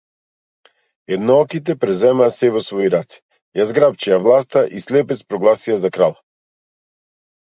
Еднооките преземаа сѐ во свои раце, ја зграпчија власта и слепец прогласија за крал.